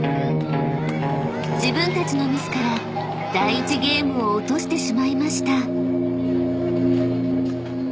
［自分たちのミスから第１ゲームを落としてしまいました］